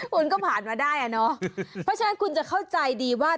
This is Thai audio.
คุณก็ผ่านมาได้อ่ะเนาะเพราะฉะนั้นคุณจะเข้าใจดีว่า